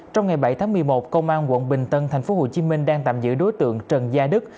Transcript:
trong ngày bảy tháng một mươi một công an quận bình tân tp hcm đang tạm giữ đối tượng trần gia đức